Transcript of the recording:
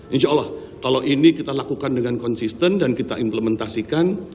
insya allah kalau ini kita lakukan dengan konsisten dan kita implementasikan